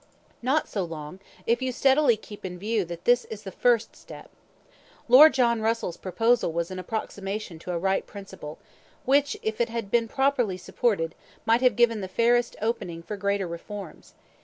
"Not so long, if you steadily keep in view that this is the FIRST step. Lord John Russell's proposal was an approximation to a right principle, which, if it had been properly supported, might have given the fairest opening for greater reforms.